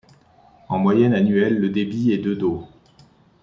En moyenne annuelle, le débit est de d'eau.